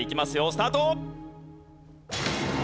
スタート！